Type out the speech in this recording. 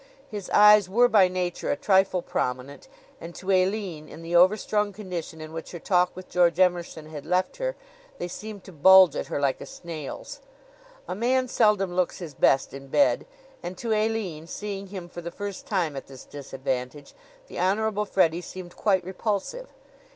His eyes were by nature a trifle prominent; and to Aline, in the overstrung condition in which her talk with George Emerson had left her, they seemed to bulge at her like a snail's. A man seldom looks his best in bed, and to Aline, seeing him for the first time at this disadvantage, the Honorable Freddie seemed quite repulsive.